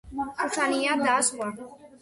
შუშანია და სხვა.